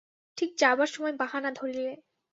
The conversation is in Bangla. ঠিক যাবার সময় বাহানা ধরিলে।